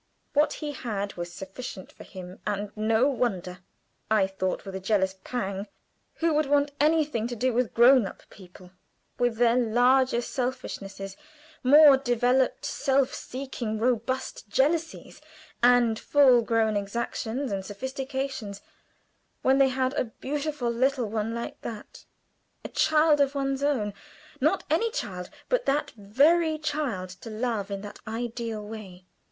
What he had was sufficient for him, and no wonder, I thought, with a jealous pang. Who would want to have anything to do with grown up people, with their larger selfishnesses, more developed self seeking robust jealousies and full grown exactions and sophistications, when they had a beautiful little one like that? A child of one's own not any child, but that very child to love in that ideal way.